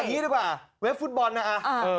อันนี้ดีกว่าเว็บฟุตบอลนะเออ